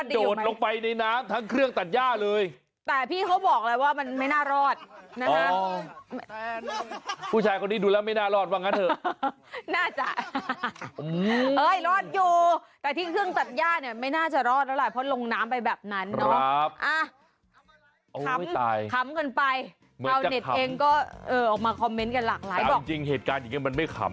ยังชีวิตรอดได้อยู่ไหม